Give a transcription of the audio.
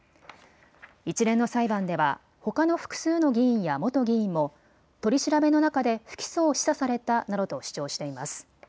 一連の裁判ではほかの複数の議員や元議員も取り調べの中で不起訴を示唆されたなどと主張しています。